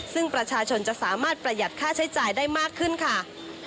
ซึ่งประชาชนจะสามารถประหยัดค่าใช้จ่ายได้มากขึ้นค่ะ